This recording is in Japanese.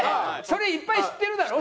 それいっぱい知ってるだろ？